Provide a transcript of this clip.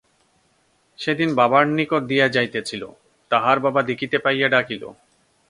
সেদিন বাবার নিকট দিয়া যাইতেছিল, তাহার বাবা দেখিতে পাইয়া ডাকিল।